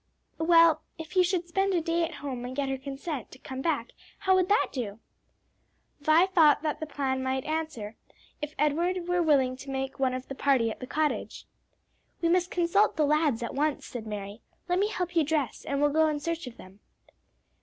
"Well, if you should spend a day at home and get her consent to come back; how would that do?" Vi thought that plan might answer, if Edward were willing to make one of the party at the cottage. "We must consult the lads at once," said Mary. "Let me help you dress, and we'll go in search of them."